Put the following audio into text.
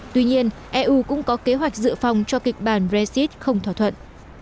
tuy nhiên eu cũng có kế hoạch dự phòng cho kịch bản brexit không thỏa thuận